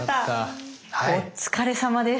お疲れさまです。